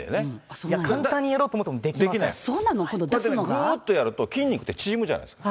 ぐーってやると筋肉って縮むじゃないですか。